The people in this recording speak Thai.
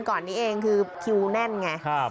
ก่อนนี้เองคือคิวแน่นไง